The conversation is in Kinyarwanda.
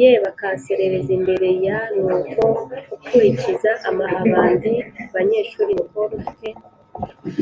ye bakanserereza imbere y an uko ukurikiza amahabandi banyeshuri Nicole ufite